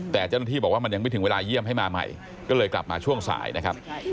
แต่เจ้าหน้าที่บอกว่ามันยังไม่ถึงเวลาเยี่ยมให้มาใหม่ก็เลยกลับมาช่วงสายนะครับ